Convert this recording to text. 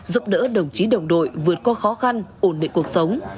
giúp đỡ đồng chí đồng đội vượt qua khó khăn ổn định cuộc sống